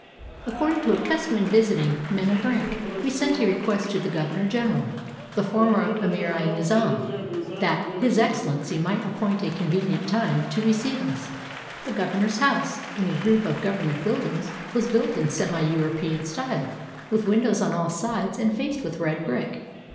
Accord ing to a custom in visiting men of rank, we sent a request to the governor general, the former Amir i Nizam, that His Excellency might appoint a convenient time to re ceive us. The governor's house, in a group of govern ment buildings, was built in semi European style, with windows on all sides and faced with red brick.